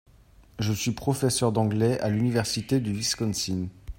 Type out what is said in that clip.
Je suis professeur d'anglais à l'université du Wisconsin.